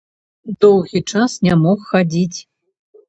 Доўгі час не мог хадзіць.